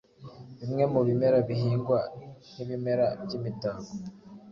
Bimwe mu bimera bihingwa nkibimera byimitako